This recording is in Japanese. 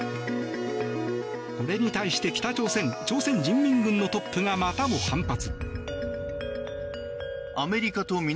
これに対して、北朝鮮朝鮮人民軍のトップがまたも反発。